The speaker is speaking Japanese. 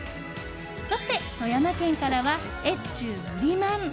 そして、富山県からは越中ぶりまん。